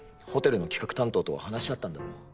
ホテルの企画担当と話し合ったんだろ？